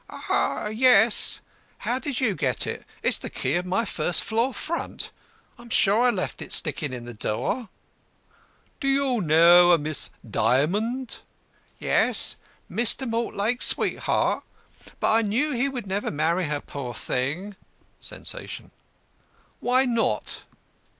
"Yes; how did you get it? It's the key of my first floor front. I am sure I left it sticking in the door." "Did you know a Miss Dymond?" "Yes, Mr. Mortlake's sweetheart. But I knew he would never marry her, poor thing." (Sensation.) "Why not?"